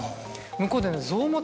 向こうで。